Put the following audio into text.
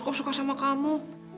kok suka sama kamu